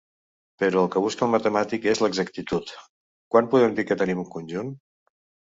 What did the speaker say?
Però el que busca el matemàtic és l'exactitud: quan podem dir que tenim un conjunt?